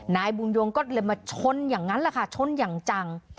นายบุญยงก็เลยมาชนอย่างนั้นแหละค่ะชนอย่างจัง